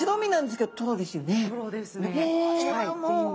トロですね。